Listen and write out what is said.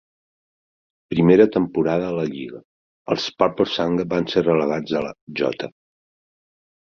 Primera temporada a la lliga, els Purple Sanga van ser relegats a la J.